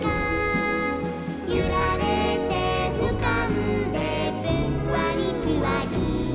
「ゆられてうかんでぷんわりぷわり」